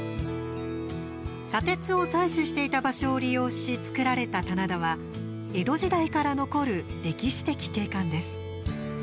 砂鉄を採取していた場所を利用し作られた棚田は江戸時代から残る歴史的景観です。